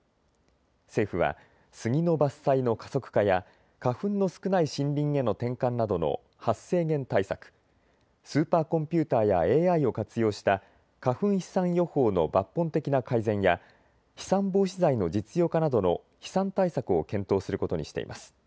政府はスギの伐採の加速化や花粉の少ない森林への転換などの発生源対策、スーパーコンピューターやＡＩを活用した花粉飛散予報の抜本的な改善や飛散防止剤の実用化などの飛散対策を検討することにしています。